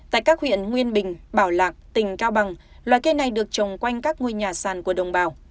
tại các huyện nguyên bình bảo lạc tỉnh cao bằng loài cây này được trồng quanh các ngôi nhà sàn của đồng bào